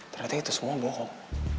ternyata itu semua bohong